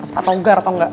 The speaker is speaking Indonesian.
pas pak togar tau gak